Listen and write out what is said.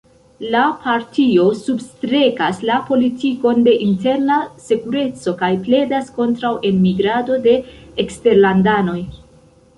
La partio substrekas la politikon de interna sekureco kaj pledas kontraŭ enmigrado de eksterlandanoj.